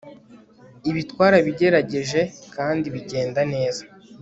Ibi twarabigerageje kandi bigenda neza